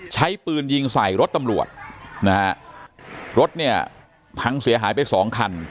ใช้ปืนยิงใส่รถตำรวจรถพังเสียหายไป๒คัน